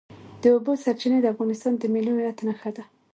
د اوبو سرچینې د افغانستان د ملي هویت نښه ده.